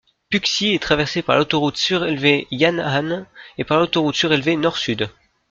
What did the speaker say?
Puxi est traversé par l'autoroute surélevée Yan'an, et par l'autoroute surélevée Nord-Sud.